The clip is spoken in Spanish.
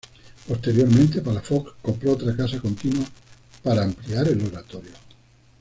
Posteriormente, Palafox compró otra casa continua para ampliar el oratorio.